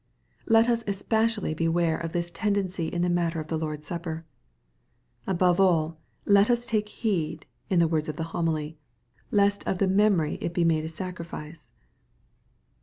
Let us especially beware of this tendency in the matter of the Lord's Supper. Above all, " let us take heed," in the words of the Homily, " lest of the memory it be made a sacrifice."